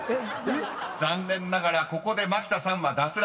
［残念ながらここで牧田さんは脱落です］